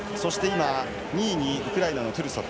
２位にウクライナのトゥルソフ。